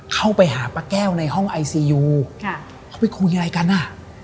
เข้าไปหาป้าแก้วในห้องไอซียูค่ะเขาไปคุยอะไรกันอ่ะ